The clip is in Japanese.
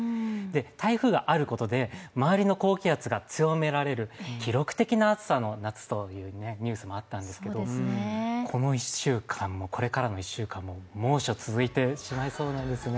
台風があることで、周りの高気圧が強められる記録的な暑さの夏とあったんですけどこの１週間もこれからの１週間も猛暑続いてしまいそうなんですね。